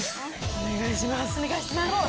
お願いします。